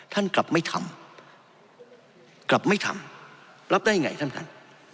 ท่านกลับไม่ทำกลับไม่ทำรับได้ยังไงท่านท่าน